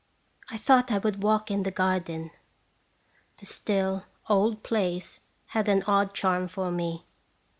I thought I would walk in the garden. The still, old place had an odd charm for me.